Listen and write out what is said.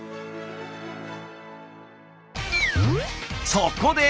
そこで！